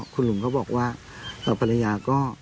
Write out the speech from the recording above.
คุณหนุ่มก็บอกว่าภรรยาก็